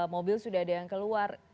mobil sudah ada yang keluar